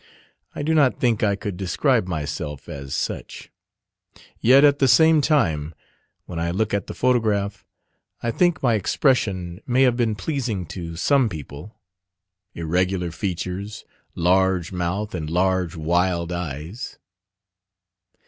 I do not think I could describe myself as such. Yet at the same time, when I look at the photograph, I think my expression may have been pleasing to some people: irregular features, large mouth, and large wild eyes.